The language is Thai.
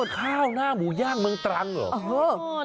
ข้าวหน้าหมูย่างเมืองตรังเหรอ